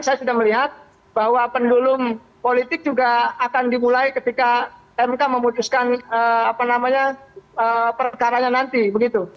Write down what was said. saya sudah melihat bahwa pendulum politik juga akan dimulai ketika mk memutuskan perkaranya nanti begitu